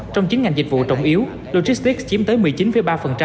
trong chín ngành dịch vụ trọng yếu logistics chiếm tới một mươi chín ba